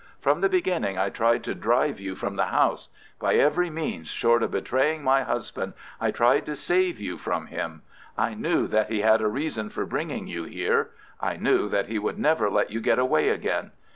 From the beginning I tried to drive you from the house. By every means, short of betraying my husband, I tried to save you from him. I knew that he had a reason for bringing you here. I knew that he would never let you get away again.